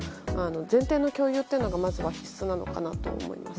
前提の共有というのが必須なのかなと思います。